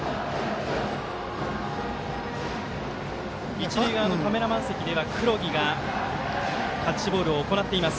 一塁側のカメラマン席では黒木がキャッチボールを行っています。